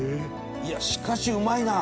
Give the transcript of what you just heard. いやしかしうまいな！